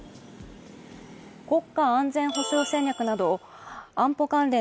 国家安全保障戦略など安保関連